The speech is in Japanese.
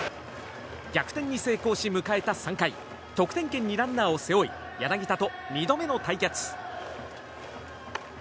逆転に成功し迎えた３回得点圏にランナーを背負い柳田と２度目の対決。